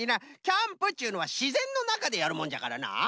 キャンプっちゅうのはしぜんのなかでやるもんじゃからなあ。